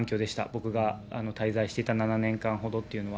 僕が滞在していた７年間ほどというのは。